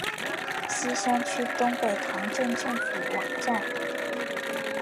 锡山区东北塘镇政府网站